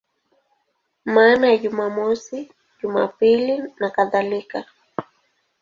Maana ya Jumamosi, Jumapili nakadhalika.